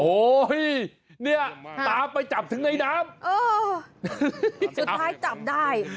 โอ้โหเนี่ยตามไปจับถึงในน้ำเออสุดท้ายจับได้